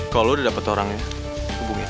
kalo lo udah dapet orangnya hubungi aku